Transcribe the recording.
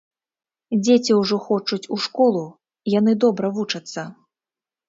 Дзеці ўжо хочуць у школу, яны добра вучацца.